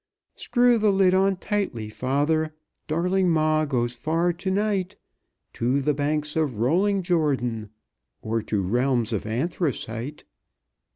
"Screw the lid on tightly, father, Darling ma goes far to night; To the banks of rolling Jordan, Or to realms of anthracite.